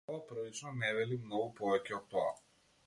Ова првично не вели многу повеќе од тоа.